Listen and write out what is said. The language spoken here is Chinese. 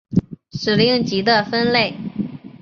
指令集的分类